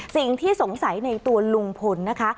สิ่งที่สงสัยในตัวลุงพลนะคะ